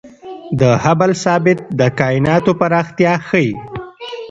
د هبل ثابت د کائناتو پراختیا ښيي.